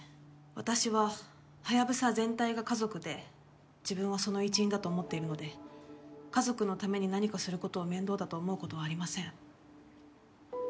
私はハヤブサ全体が家族で自分はその一員だと思っているので家族のために何かする事を面倒だと思う事はありません。